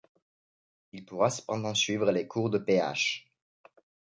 Il pourra cependant suivre les cours de Ph.